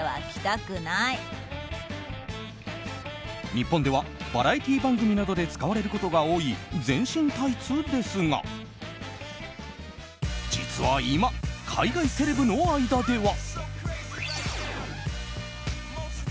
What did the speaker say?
日本ではバラエティー番組などで使われることが多い全身タイツですが実は今、海外セレブの間では。